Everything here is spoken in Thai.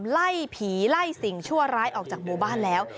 ไล่ผีไล่สิ่งชั่วร้ายออกจากหมู่บ้านแล้ว